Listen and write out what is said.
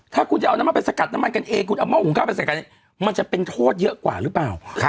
ถ้าคุณจะเอาน้ำมันไปสกัดน้ำมันกันเองคุณเอาห้อหุงข้าวไปใส่กันเองมันจะเป็นโทษเยอะกว่าหรือเปล่า